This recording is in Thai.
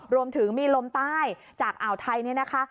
รวมถึงมีลมใต้จากอ่าวไทยเนี่ยนะคะ